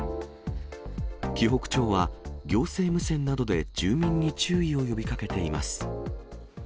紀北町は行政無線などで住民に注意を呼びかけています。